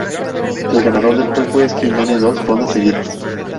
El ganador del juego es quien gane dos rondas seguidas.